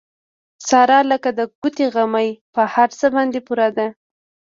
ساره لکه د ګوتې غمی په هر څه باندې پوره ده.